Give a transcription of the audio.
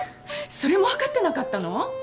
それもわかってなかったの？